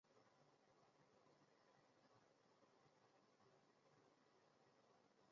夏卡成为姆特瓦首领麾下的战士。